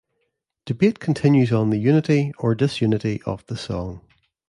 Debate continues on the unity or disunity of the Song.